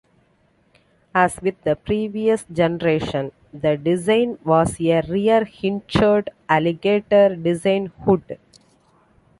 As with the previous generation, the design was a rear-hinged "alligator"-design hood.